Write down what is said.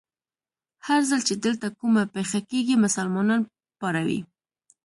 هر ځل چې دلته کومه پېښه کېږي، مسلمانان پاروي.